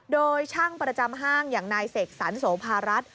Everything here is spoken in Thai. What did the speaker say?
โดยช่างประจำห้างอย่างนายเสกสรรโสภารัฐ